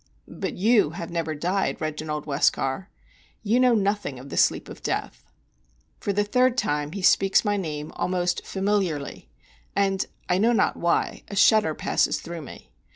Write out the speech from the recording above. '" "But you have never died, Reginald Westcar. You know nothing of the sleep of death." For the third time he speaks my name almost familiarly, and—I know not why—a shudder passes through me.